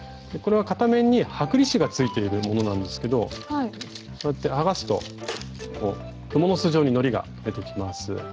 これは片面に剥離紙が付いているものなんですけどこうやって剥がすとクモの巣状にのりが出てきます。